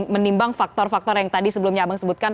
menimbang faktor faktor yang tadi sebelumnya abang sebutkan